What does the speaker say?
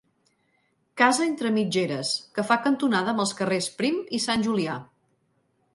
Casa entre mitgeres, que fa cantonada amb els carrers Prim i Sant Julià.